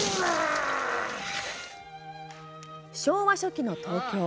昭和初期の東京。